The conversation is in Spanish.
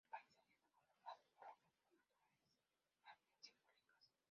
El paisaje está conformado por rocas poco naturales, más bien simbólicas.